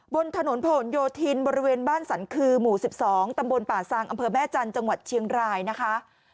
บนถนนผนโยธินบริเวณบ้านสันคือหมู่๑๒ตำบลป่าซางอำเภอแม่จันทร์จังหวัดเชียงรายนะคะ